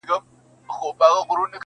شیطان ګوره چي ایمان په کاڼو ولي,